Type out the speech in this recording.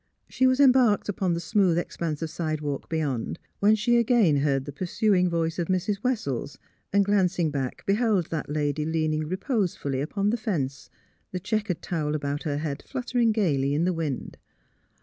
She was embarked upon the smooth expanse of sidewalk beyond, when she again heard the pursuing voice of Mrs. Wessels, MISS PHILURA'S BABY 337 and glancing back beheld that lady leaning reposefully upon the fence, the checkered towel about her head fluttering gaily in the wind.